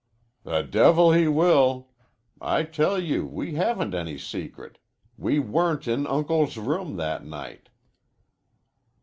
"The devil he will! I tell you we haven't any secret. We weren't in Uncle's rooms that night."